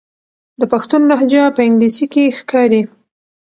د پښتون لهجه په انګلیسي کې ښکاري.